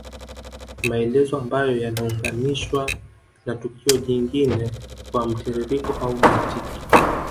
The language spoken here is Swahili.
Maelezo ambayo yanaunganishwa na tukio jingine kwa mtiririko au mantiki